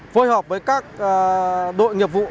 phối hợp với các đội nghiệp vụ